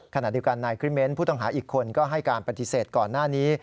ขณะเดียวกันนายคริเมนต์ผู้ต้องหาอีกคนก็ให้การปฏิเสธก่อนหน้านี้